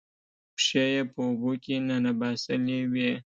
پښې یې په اوبو کې ننباسلې وې